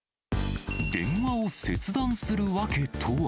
電話を切断する訳とは。